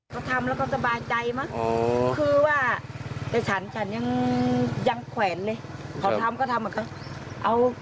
เขาก็ทำแล้วก็สบายใจมากคือว่าแต่ฉันยังแขวนเลยเขาทำก็ทำหรอกนะ